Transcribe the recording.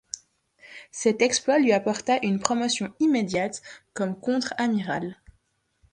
Cet exploit lui apporta une promotion immédiate comme contre-amiral.